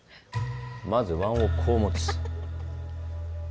まず椀をこう持つ。